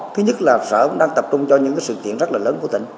thứ nhất là sở cũng đang tập trung cho những sự kiện rất là lớn của tỉnh